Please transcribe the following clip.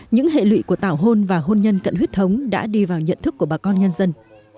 những hệ lụy của tảo hôn và hôn nhân cận huyết thống đã đi vào nhận thức của bà con nhân dân